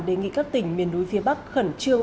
đề nghị các tỉnh miền núi phía bắc khẩn trương